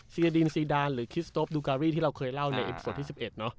เซียดินซีดานหรือคิสโต๊ปดูการี่ที่เราเคยเล่าในอิปโสดที่๑๑